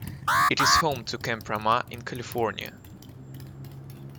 It is home to Camp Ramah in California.